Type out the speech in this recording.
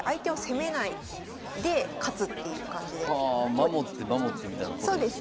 あ守って守ってみたいなことですね。